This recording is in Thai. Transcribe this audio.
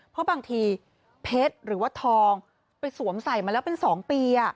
เพราะบางทีเพชรหรือว่าทองไปสวมใส่มาแล้วเป็น๒ปี